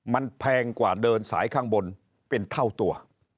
มันแพงกว่าเดินสายข้างบนเป็นเท่าตัว